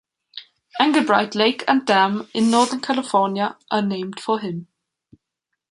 Englebright Lake and dam in Northern California are named for him.